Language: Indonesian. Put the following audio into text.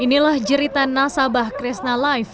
inilah jeritan nasabah kresna life